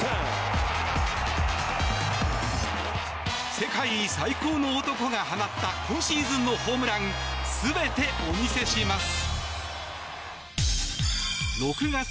世界最高の男が放った今シーズンのホームラン全てお見せします。